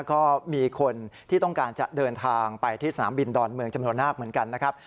ก็มีคนที่ต้องการจะเดินทางไปที่สนามบินดอนเมืองจำนวนมากเหมือนกันนะครับ